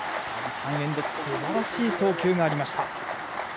３エンド目ですばらしい投球がありました。